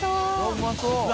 うまそう。